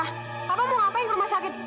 bapak mau ngapain ke rumah sakit